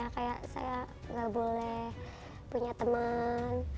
kayak saya nggak boleh punya teman